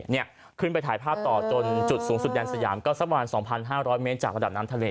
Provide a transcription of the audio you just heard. นี่ขึ้นไปถ่ายภาพต่อจนจุดสูงสุดแดนสยามก็สักประมาณ๒๕๐๐เมตรจากระดับน้ำทะเล